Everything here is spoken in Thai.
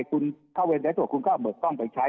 คุณเข้าเวรได้ตรวจคุณก็เอาเบิกกล้องไปใช้